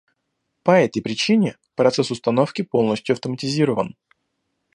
По этой причине процесс установки полностью автоматизирован